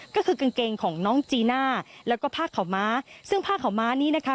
ก็คือกางเกงของน้องจีน่าแล้วก็ผ้าขาวม้าซึ่งผ้าขาวม้านี้นะคะ